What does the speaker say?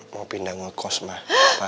mau pindah ngekos mah